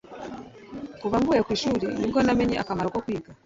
kuva mvuye ku ishuri ni bwo namenye akamaro ko kwiga